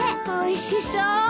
おいしそう。